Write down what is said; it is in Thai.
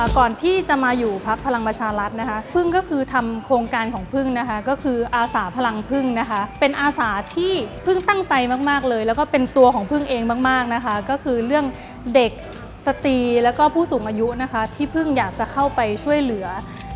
ก่อนที่จะมาอยู่พักพลังประชารัฐนะคะพึ่งก็คือทำโครงการของพึ่งนะคะก็คืออาสาพลังพึ่งนะคะเป็นอาสาที่พึ่งตั้งใจมากเลยแล้วก็เป็นตัวของพึ่งเองมากนะคะก็คือเรื่องเด็กสตรีแล้วก็ผู้สูงอายุนะคะที่เพิ่งอยากจะเข้าไปช่วยเหลือ